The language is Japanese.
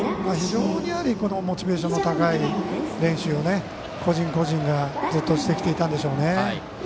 モチベーションの高い練習を個人個人がずっとしてきていたんでしょうね。